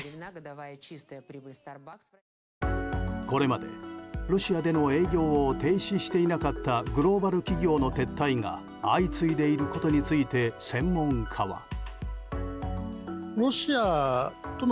これまでロシアでの営業を停止していなかったグローバル企業の撤退が相次いでいることについて専門家は。